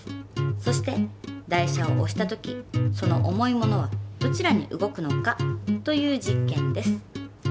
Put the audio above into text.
そして台車を押した時その重いものはどちらに動くのかという実験です」。